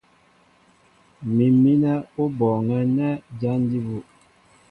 Mǐm mínɛ́ ó bɔɔŋɛ́ nɛ́ jǎn jí bú.